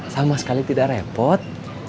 sama sekali tidak repot